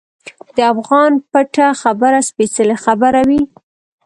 د افغان پټه خبره سپیڅلې خبره وي.